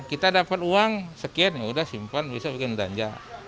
kita dapat uang sekian ya sudah simpan besok bikin danja